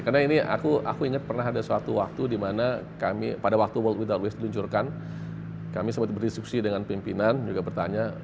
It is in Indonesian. karena ini aku ingat pernah ada suatu waktu di mana kami pada waktu world without waste diluncurkan kami sempat berdiskusi dengan pimpinan juga bertanya